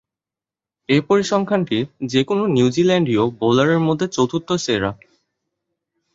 এ পরিসংখ্যানটি যে-কোন নিউজিল্যান্ডীয় বোলারের মধ্যে চতুর্থ সেরা।